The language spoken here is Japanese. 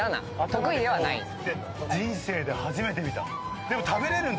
得意ではないです。